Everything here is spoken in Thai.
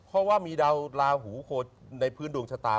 ได้เพราะว่ามีดาวลาหูเกรุกนี่ภืนดวงชะตา